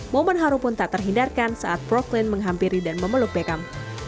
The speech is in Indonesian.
momen haru pun tak terhindarkan saat proklin menghampiri dan memeluk beckham